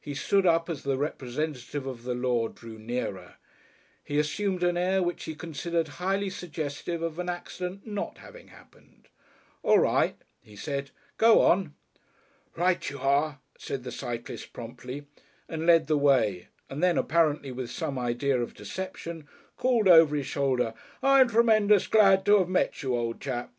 He stood up as the representative of the law drew nearer. He assumed an air which he considered highly suggestive of an accident not having happened. "All right," he said, "go on!" "Right you are," said the cyclist promptly, and led the way, and then, apparently with some idea of deception, called over his shoulder, "I'm tremendous glad to have met you, old chap.